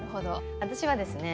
私はですね